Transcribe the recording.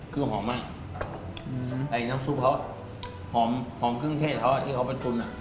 คือหอมมากไอ้น้ำซุปเขาหอมหอมเครื่องเทศเขาที่เขาไปตุนอ่ะ